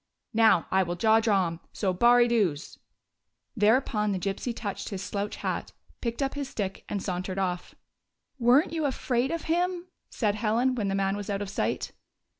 Now, I will jaw drom. So, baurie dews ." Thereupon the Gypsy touched his slouch hat, picked up his stick and sauntered off. " Were n't you afraid of him ?" said Helen, when the man was out of sight.